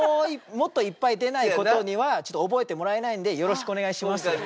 もっといっぱい出ない事には覚えてもらえないのでよろしくお願いします。